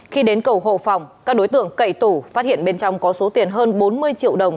khi đến cầu hộ phòng các đối tượng cậy tủ phát hiện bên trong có số tiền hơn bốn mươi triệu đồng